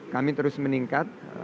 kami terus meningkat